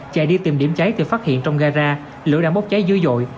chạy đi tìm điểm cháy thì phát hiện trong gara lửa đã bốc cháy dữ dội